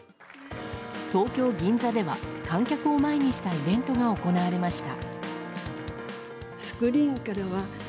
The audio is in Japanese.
東京・銀座では観客を前にしたイベントが行われました。